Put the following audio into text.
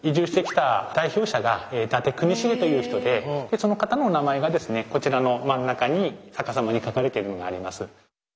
その方のお名前がこちらの真ん中に逆さまに書かれているのがあります。